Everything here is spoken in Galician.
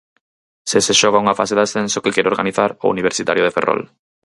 Se se xoga unha fase de ascenso que quere organizar o Universitario de Ferrol.